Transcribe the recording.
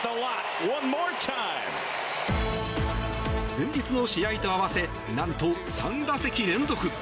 前日の試合と合わせ何と３打席連続。